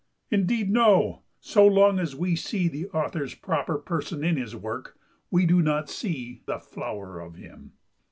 Indeed, no! So long as we see the author's proper person in his work, we do not see the flower of him.